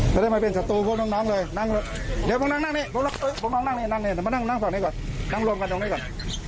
จะได้มาเป็นศัตรูพวกน้องน้องเลยนั่งเดี๋ยวพวกน้องนั่งนี่พวกน้องนั่งนี่นั่งนี่มานั่งนั่งฝั่งนี้ก่อนนั่งรวมกันตรงนี้ก่อน